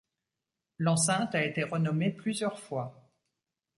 L'enceinte a été renommée plusieurs fois.